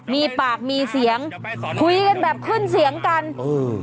มีปากมีเสียงคุยกันแบบขึ้นเสียงกันเออ